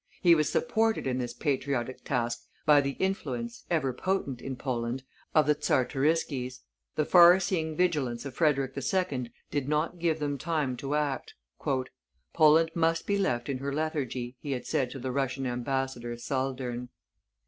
He was supported in this patriotic task by the influence, ever potent in Poland, of the Czartoriskis. The far seeing vigilance of Frederick II. did not give them time to act. "Poland must be left in her lethargy," he had said to the Russian ambassador Saldern.